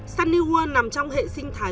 sunny world nằm trong hệ sinh thái